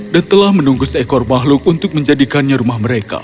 dan telah menunggu seekor makhluk untuk menjadikannya rumah mereka